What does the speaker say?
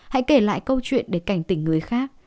hãy kể lại câu chuyện để cảnh tỉnh người khác